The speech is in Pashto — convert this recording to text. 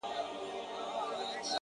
زه د شرابيانو قلندر تر ملا تړلى يم;